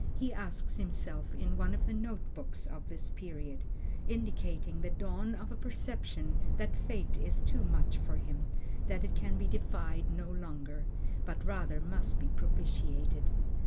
he asks himself in one of the note books of this period, indicating the dawn of a perception that fate is too much for him, that it can be defied no longer, but rather must be propitiated.